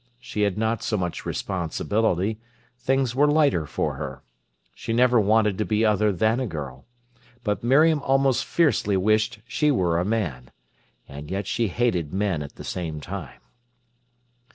She had not so much responsibility; things were lighter for her. She never wanted to be other than a girl. But Miriam almost fiercely wished she were a man. And yet she hated men at the same time.